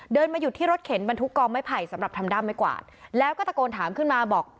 มาหยุดที่รถเข็นบรรทุกกองไม้ไผ่สำหรับทำด้ามไม้กวาดแล้วก็ตะโกนถามขึ้นมาบอก